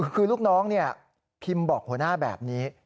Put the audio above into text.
คือลูกน้องเนี่ยพิมบอกหัวหน้าแบบนี้